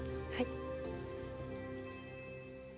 はい。